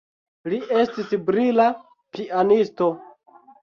Li estis brila pianisto.